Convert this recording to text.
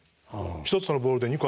１つのボールで２個